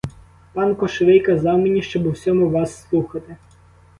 Пан кошовий казав мені, щоб у всьому вас слухати.